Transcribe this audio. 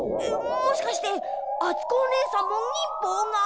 もしかしてあつこおねえさんも忍法が？